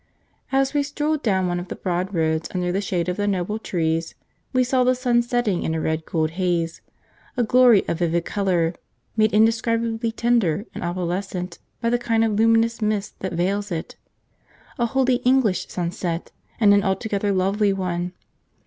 As we strolled down one of the broad roads under the shade of the noble trees, we saw the sun setting in a red gold haze; a glory of vivid colour made indescribably tender and opalescent by the kind of luminous mist that veils it; a wholly English sunset, and an altogether lovely one.